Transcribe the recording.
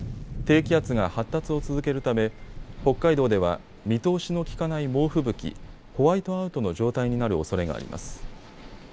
低気圧が発達を続けるため北海道では見通しのきかない猛吹雪、ホワイトアウトの状態になるおそれがあります。